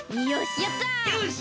よし！